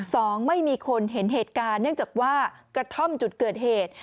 สองไม่มีคนเห็นเหตุการณ์เนื่องจากว่ากระท่อมจุดเกิดเหตุ